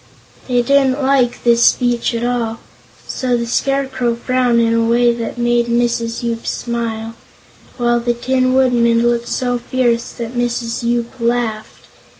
They didn't like this speech at all, so the Scarecrow frowned in a way that made Mrs. Yoop smile, while the Tin Woodman looked so fierce that Mrs. Yoop laughed.